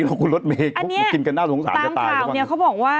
โทรศัพท์แล้ว